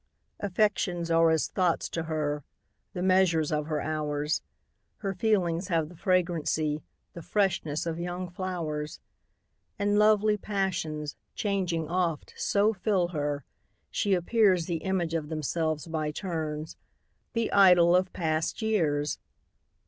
Affections are as thoughts to her, The measures of her hours; Her feelings have the fragrancy, The freshness of young flowers; And lovely passions, changing oft, So fill her, she appears The image of themselves by turns, The idol of past years!